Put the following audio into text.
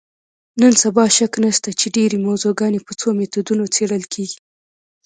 نن سبا شک نشته چې ډېری موضوعګانې په څو میتودونو څېړل کېږي.